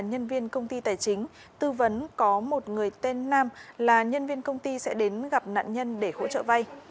nhân viên công ty tài chính tư vấn có một người tên nam là nhân viên công ty sẽ đến gặp nạn nhân để hỗ trợ vay